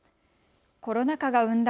コロナ禍が生んだ